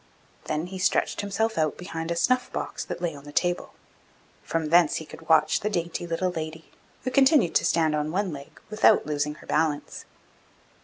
Then he stretched himself out behind a snuff box that lay on the table; from thence he could watch the dainty little lady, who continued to stand on one leg without losing her balance.